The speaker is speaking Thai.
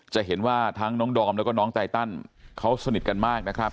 จะเห็นว่าทั้งน้องดอมแล้วก็น้องไตตันเขาสนิทกันมากนะครับ